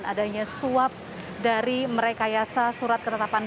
dan adanya suap dari merekayasa surat keretapan